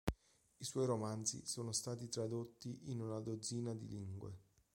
I suoi romanzi sono stati tradotti in una dozzina di lingue.